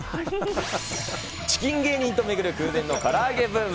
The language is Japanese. チキン芸人と巡る空前のから揚げブーム。